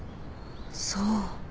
そう。